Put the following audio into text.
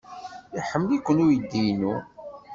Iḥemmel-iken uydi-inu.